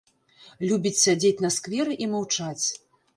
Любіць сядзець на скверы і маўчаць.